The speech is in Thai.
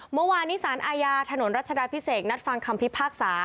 เมื่อวานนี้สารอาญาถนนรัชดาพิเศษนัดฟังคำพิพากษา